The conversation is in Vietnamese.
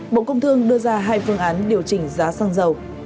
bộ công thương đưa ra hai phương án điều chỉnh giá xăng dầu